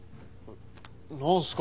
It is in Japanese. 何すか？